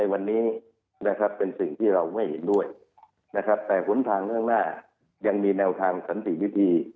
วันนี้เป็นสิ่งที่เราไม่เห็นด้วยแต่ผลทางเรื่องหน้ายังมีแนวทางสันสิทธิ